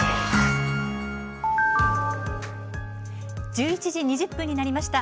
１１時２０分になりました。